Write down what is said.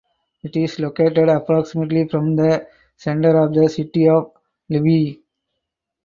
It is located approximately from the center of the city of Lviv.